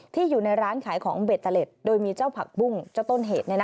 อยู่ในร้านขายของเบตเตอร์เล็ตโดยมีเจ้าผักบุ้งเจ้าต้นเหตุ